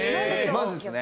まずですね